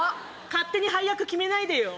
勝手に配役決めないでよ。